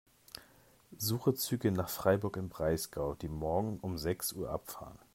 Suche Züge nach Freiburg im Breisgau, die morgen um sechs Uhr abfahren.